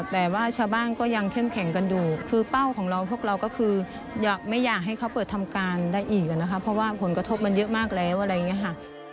แต่ว่าชาวบ้านก็ยังเข้มแข็งกันอยู่คือเป้าของเราพวกเราก็คือไม่อยากให้เขาเปิดทำการได้อีกนะคะเพราะว่าผลกระทบมันเยอะมากแล้วอะไรอย่างนี้ค่ะ